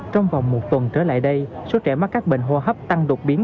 trong vòng một tuần trở lại đây số trẻ mắc các bệnh hô hấp tăng đột biến